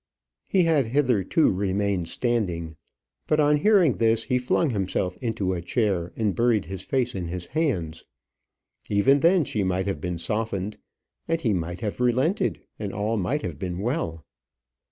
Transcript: He had hitherto remained standing; but on hearing this he flung himself into a chair and buried his face in his hands. Even then she might have been softened, and he might have relented, and all might have been well!